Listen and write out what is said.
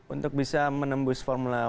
untuk bisa menembus formula